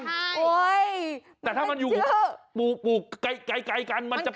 ใช่แต่ถ้ามันอยู่ปลูกไกลกันมันจะ